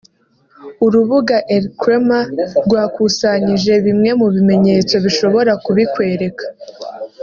urubuga Elcrema rwakusanyije bimwe mu bimenyetso bishobora kubikwereka